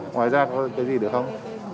ngoài ra có cái gì được không